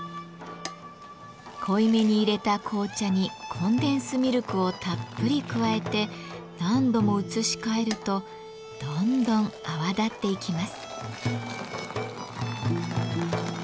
濃い目にいれた紅茶にコンデンスミルクをたっぷり加えて何度も移し替えるとどんどん泡立っていきます。